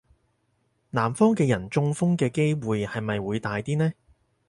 南方嘅人中風嘅機會係咪會大啲呢?